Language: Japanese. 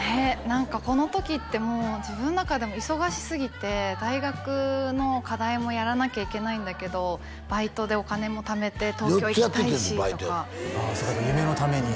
何かこの時ってもう自分の中でも忙しすぎて大学の課題もやらなきゃいけないんだけどバイトでお金もためて東京行きたいしとか４つやっててんバイト夢のために？